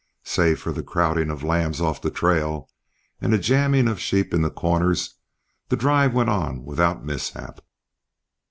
Save for the crowding of lambs off the trail, and a jamming of sheep in the corners, the drive went on without mishap.